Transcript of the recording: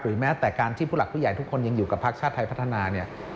แม้แต่การที่ผู้หลักผู้ใหญ่ทุกคนยังอยู่กับภาคชาติไทยพัฒนาเนี่ย